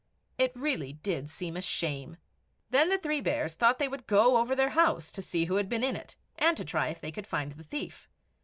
It really did seem a shame. Then the three bears thought they would go over their house, to see who had been in it, and to try if they could find the thief.